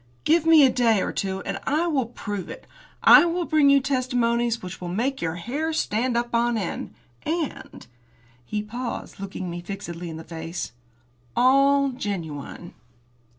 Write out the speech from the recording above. Give me a day or two and I will prove it. I will bring you testimonials which will make your hair stand up on end, and " He paused, looking me fixedly in the face "all genuine."